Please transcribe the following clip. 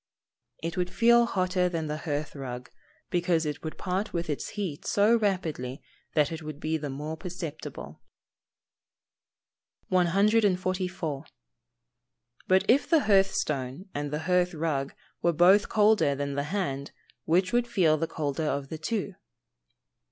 _ It would feel hotter than the hearth rug, because it would part with its heat so rapidly that it would be the more perceptible. 144. _But if the hearth stone and the hearth rug were both colder than the hand, which would feel the colder of the two?